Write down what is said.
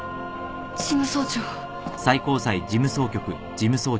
事務総長。